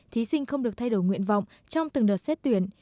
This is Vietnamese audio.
thí sinh không được thay đổi nguyện vọng trong từng đợt xét tuyển